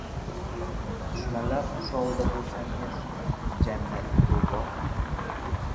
• Dushmanlar qurshovida bo‘lsangiz, jannat — do‘zax;